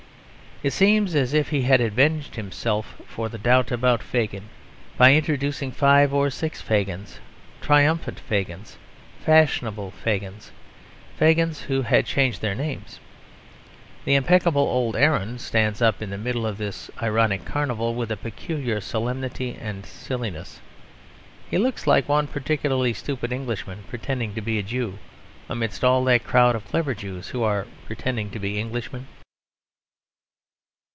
It seems as if he had avenged himself for the doubt about Fagin by introducing five or six Fagins triumphant Fagins, fashionable Fagins, Fagins who had changed their names. The impeccable old Aaron stands up in the middle of this ironic carnival with a peculiar solemnity and silliness. He looks like one particularly stupid Englishman pretending to be a Jew, amidst all that crowd of clever Jews who are pretending to be Englishmen.